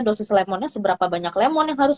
dosis lemonnya seberapa banyak lemon yang harus